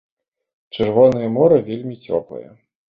Чырвонае мора вельмі цёплае.